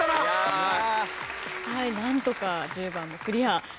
何とか１０番もクリア。